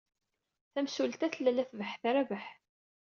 Tamsulta tella la tbeḥḥet Rabaḥ.